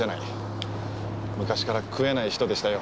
昔から食えない人でしたよ